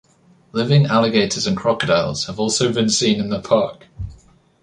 Living alligators and crocodiles have also been seen in the park.